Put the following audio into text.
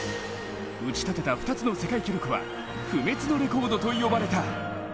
打ちたてた２つの世界記録は不滅のレコードと呼ばれた。